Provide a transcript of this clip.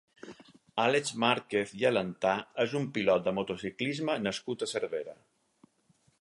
Àlex Márquez i Alentà és un pilot de motociclisme nascut a Cervera.